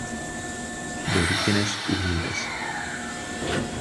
De orígenes humildes.